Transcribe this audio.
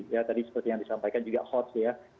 ya tadi seperti yang disampaikan juga hots ya